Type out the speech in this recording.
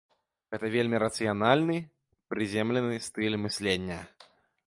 Гэта вельмі рацыянальны, прыземлены стыль мыслення.